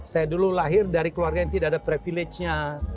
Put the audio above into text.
saya dulu lahir dari keluarga yang tidak ada privilege nya